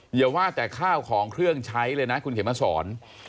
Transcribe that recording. อย่าว่าแต่ข้าวของเครื่องใช้เลยนะคุณเขียนมาสอน